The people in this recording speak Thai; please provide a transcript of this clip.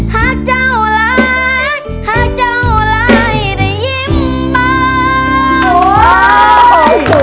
ฮักเจ้าหลายฮักเจ้าหลายได้ยิ้มเปล่า